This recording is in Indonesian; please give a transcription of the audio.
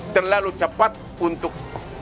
terlalu cepat untuk